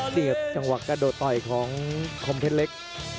เสียบจังหวะกระโดดต่อยของคมเพชรเล็ก